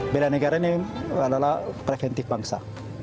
bela negara ini adalah preventif bangsa